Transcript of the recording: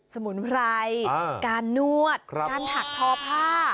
สมุนไพรการนวดการถักทอผ้า